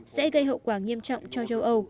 sẽ gây hậu quả nghiêm trọng cho châu âu